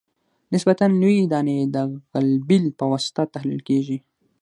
نسبتاً لویې دانې د غلبیل په واسطه تحلیل کیږي